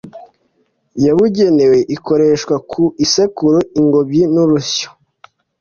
yabugenewe ikoreshwa ku isekuru, ingobyi n’urusyo.